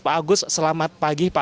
pak agus selamat pagi